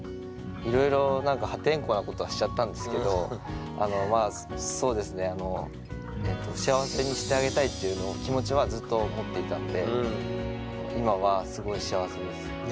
いろいろ何か破天荒なことはしちゃったんですけどまあそうですねていうのを気持ちはずっと思っていたんで今はすごい幸せです。